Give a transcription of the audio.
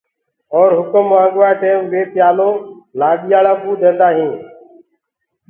اور هُڪم منگوآ ٽيم وو پيآلو لآڏاݪا ڪوٚ ديندآ هينٚ۔